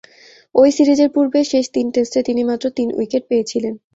ঐ সিরিজের পূর্বে শেষ তিন টেস্টে তিনি মাত্র তিন উইকেট পেয়েছিলেন।